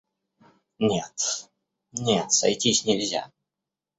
Нет, нет, сойтись нельзя.